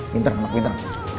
pinter anakku pinter